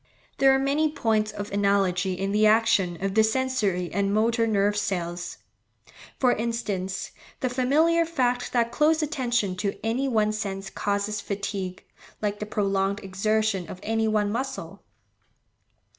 There are many points of analogy in the action of the sensory and motor nerve cells; for instance, the familiar fact that close attention to any one sense causes fatigue, like the prolonged exertion of any one muscle.